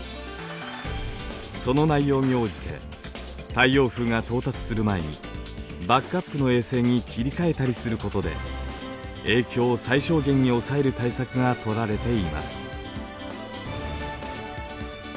その内容に応じて太陽風が到達する前にバックアップの衛星に切り替えたりすることで影響を最小限に抑える対策がとられています。